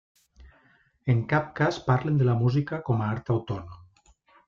En cap cas parlen de la música com a art autònom.